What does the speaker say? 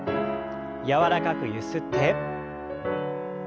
柔らかくゆすって。